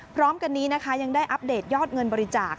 พร้อมกันนี้นะคะยังได้อัปเดตยอดเงินบริจาค